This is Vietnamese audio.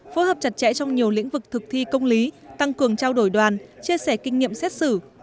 phối hợp chặt chẽ trong nhiều lĩnh vực thực thi công lý tăng cường trao đổi đoàn chia sẻ kinh nghiệm xét xử